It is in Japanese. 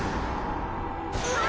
うわ！